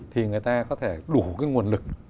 thì người ta có thể đủ nguồn lực